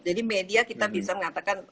jadi media kita bisa mengatakan